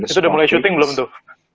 itu sudah mulai syuting belum tuh